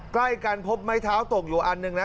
ใกล้กันพบไม้เท้าตกอยู่อันหนึ่งนะ